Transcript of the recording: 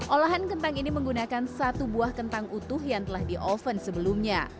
olahan kentang ini menggunakan satu buah kentang utuh yang telah di oven sebelumnya